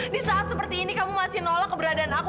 di saat seperti ini kamu masih nolak keberadaan aku